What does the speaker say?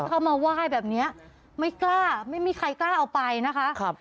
เข้ามาว่ายแบบนี้ไม่กล้าไม่มีใครกล้าเอาไปนะคะ